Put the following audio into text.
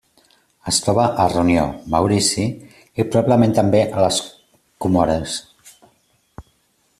Es troba a Reunió, Maurici i, probablement també, a les Comores.